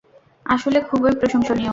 আসলে - খুবই প্রশংসনীয়।